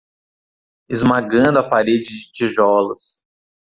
Esmagando a parede de tijolos